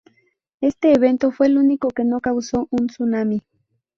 Este evento fue el único que no causó un tsunami.